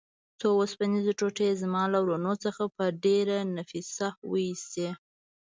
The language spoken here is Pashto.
څو اوسپنیزې ټوټې یې زما له ورنو څخه په ډېره نفیسه وه ایستې.